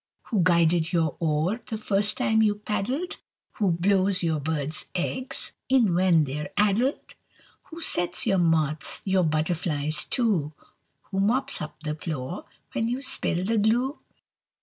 Who guided your oar The first time you paddled? Who blows your bird's eggs, E'en when they're addled? Who sets your moths, Your butterflies, too? Who mops up the floor When you spill the glue?